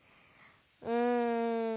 うん。